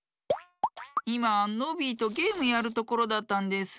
いまノビーとゲームやるところだったんです。